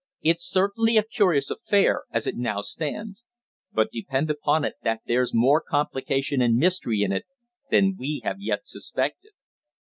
It's certainly a curious affair, as it now stands; but depend upon it that there's more complication and mystery in it than we have yet suspected."